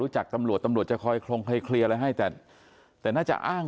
จากตำรวจตำรวจจะคอยโครงคอยเคลียร์อะไรให้แต่แต่น่าจะอ้าง